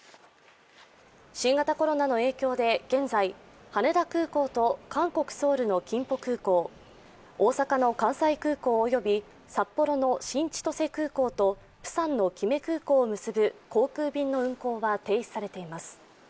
新型コロナの影響で現在、羽田空港と韓国ソウルのキンポ空港、大阪の関西空港および札幌の新千歳空港とプサンのキメ空港を結ぶ航空便の運航は停止されています。